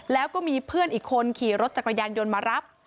แล้วก็มีเพื่อนอีกคนขี่รถจักรยานยนต์มารับ